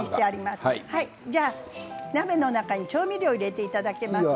鍋の中に調味料を入れていただきます。